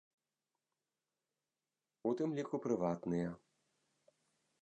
У тым ліку прыватныя.